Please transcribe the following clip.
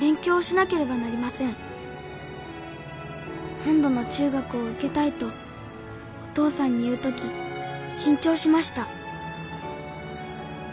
『本土の中学を受けたい』とお父さんに言うとき緊張しました」